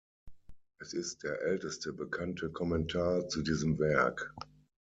Es ist der älteste bekannte Kommentar zu diesem Werk.